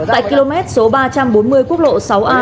tại km số ba trăm bốn mươi quốc lộ sáu a